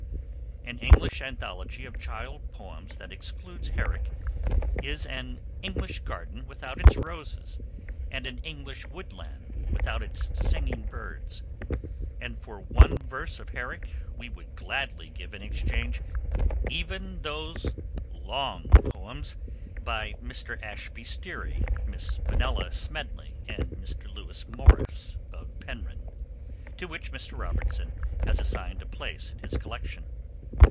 An English anthology of child poems that excludes Herrick is as an English garden without its roses and an English woodland without its singing birds; and for one verse of Herrick we would gladly give in exchange even those long poems by Mr. Ashby Sterry, Miss Menella Smedley, and Mr. Lewis Morris (of Penrhyn), to which Mr. Robertson has assigned a place in his collection.